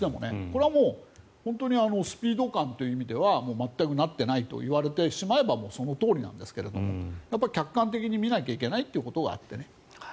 これはもう、本当にスピード感という意味では全くなっていないと言われてしまえばそのとおりなんですがやっぱり客観的に見なきゃいけないということがあって。